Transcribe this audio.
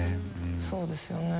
そうですよね。